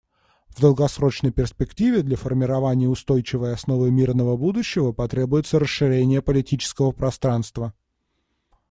В долгосрочной перспективе для формирования устойчивой основы мирного будущего потребуется расширение политического пространства.